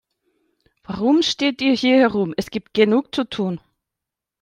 Warum steht ihr hier herum, es gibt genug zu tun.